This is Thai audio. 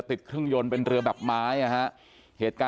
พี่บูรำนี้ลงมาแล้ว